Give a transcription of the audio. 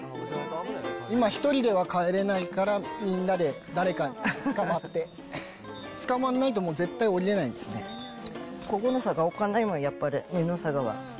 今、１人では帰れないから、みんなで誰かつかまって、つかまらないと、もう絶対下りれないでここの坂、おっかないもん、やっぱり。